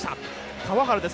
川原です。